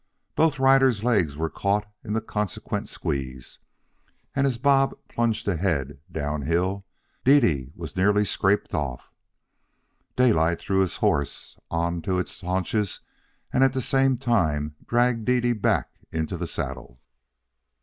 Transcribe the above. Both riders' legs were caught in the consequent squeeze, and, as Bob plunged ahead down hill, Dede was nearly scraped off. Daylight threw his horse on to its haunches and at the same time dragged Dede back into the saddle.